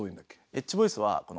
エッジボイスはこの。